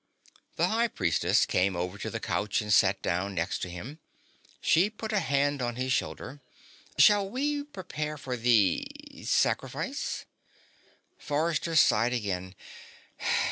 The High Priestess came over to the couch and sat down next to him. She put a hand on his shoulder. "Shall we prepare for the sacrifice?" Forrester sighed again.